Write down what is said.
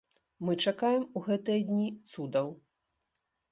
Мы чакаем у гэтыя дні цудаў.